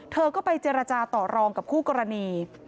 เธอก็ไปเจรจาต่อรองกับคู่กรณี